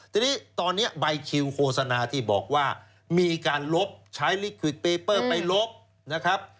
ทีนี้ตอนนี้ใบคิวโฆษณาที่บอกว่ามีการลบใช้ลิขิตเปเปอร์ไปลบนะครับ